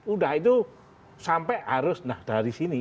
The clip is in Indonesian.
udah itu sampai harus nah dari sini